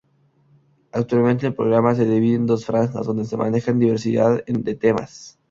Actualmente el programa se divide en dos franjas donde se manejan diversidad de temas.